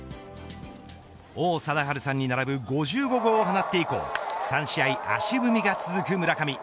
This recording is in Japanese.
王貞治さんに並ぶ５５号を放って以降３試合足踏みが続く村上。